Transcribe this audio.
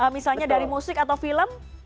misalnya dari musik atau film